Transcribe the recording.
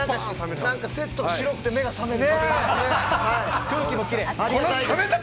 セットが白くて目が覚める。